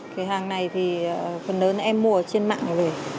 cái hàng này thì phần lớn em mua ở trên mạng này rồi